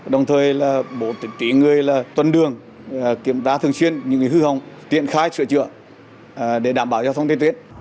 đồng thời là bộ tỉnh người là tuần đường kiểm tra thường xuyên những hư hỏng tiện khai sửa chữa để đảm bảo cho thông tin tuyến